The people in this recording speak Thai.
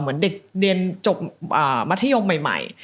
เหมือนเด็กเรียนจบมัธยมใหม่